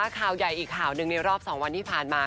ข่าวใหญ่อีกข่าวหนึ่งในรอบ๒วันที่ผ่านมา